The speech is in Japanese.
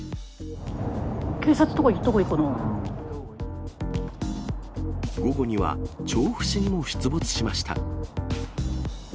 警察とかに言ったほうがいい午後には、調布市にも出没しました。